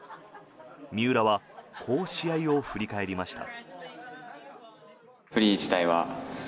三浦はこう試合を振り返りました。